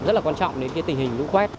rất là quan trọng đến cái tình hình lũ quét